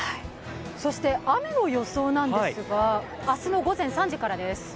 そして雨の予想なんですが、明日の午前３時からです。